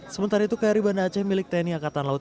sementara itu karyabanda aceh milik tni akatan laut